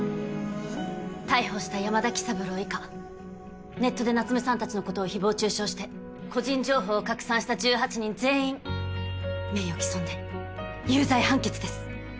逮捕した山田喜三郎以下ネットで夏目さんたちのことを誹謗中傷して個人情報を拡散した１８人全員名誉毀損で有罪判決です。